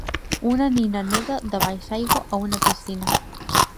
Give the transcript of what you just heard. Una nena neda sota l'aigua en una piscina.